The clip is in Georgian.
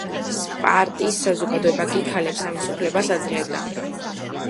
სპარტის საზოგადოება კი, ქალებს ამის უფლებას აძლევდა.